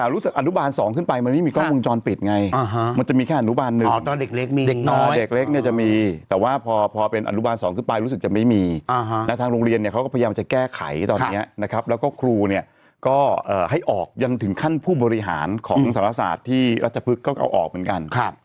แล้วก็ครูเนี่ยก็ให้ออกยังถึงขั้นผู้บริหารของศาลศาสตร์ที่รัชพฤกษ์ก็เอาออกเหมือนกัน